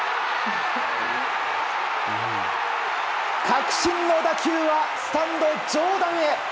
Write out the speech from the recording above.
確信の打球はスタンド上段へ！